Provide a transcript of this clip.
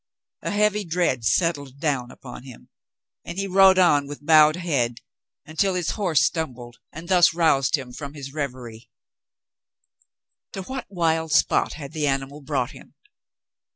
A heavy dread settled down upon him, and he rode on with bowed head, until his horse stumbled and thus roused him from his re very. To what wild spot had the animal brought him